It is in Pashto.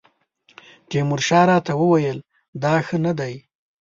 تیمورشاه راته وویل دا ښه نه دی.